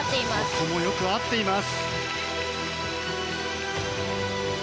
ここもよく合っています。